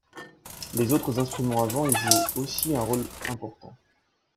Les autres instruments à vents y jouent aussi un rôle important.